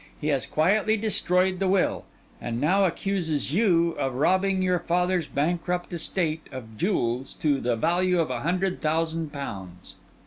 He has quietly destroyed the will; and now accuses you of robbing your father's bankrupt estate of jewels to the value of a hundred thousand pounds.